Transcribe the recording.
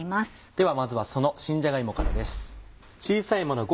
ではまずはその新じゃが芋からです。